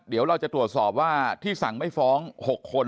เดี๋ยวเราจะตรวจสอบว่าที่สั่งไม่ฟ้อง๖คน